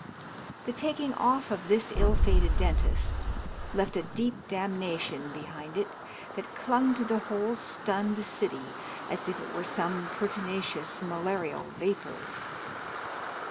The taking off of this ill fated dentist left a deep damnation behind it that clung to the whole stunned city as if it were some pertinacious malarial vapor.